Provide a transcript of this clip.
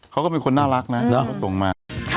เขาก็เป็นคนน่ารักนะ